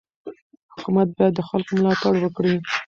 حکومت باید د خلکو ملاتړ وکړي.